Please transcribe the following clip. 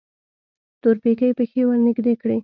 تورپيکۍ پښې ورنږدې کړې.